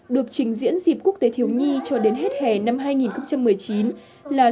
được trình diễn dịp quốc tế thiếu nhi cho đến hết hè năm hai nghìn một mươi chín là